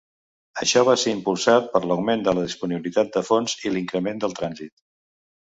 Això va ser impulsat per l'augment de la disponibilitat de fons i l'increment del trànsit.